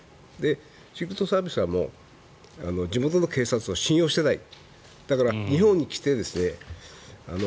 シークレットサービスは地元の警察を信用していない。